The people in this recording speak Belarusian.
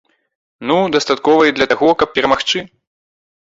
Ну, дастатковай для таго, каб перамагчы.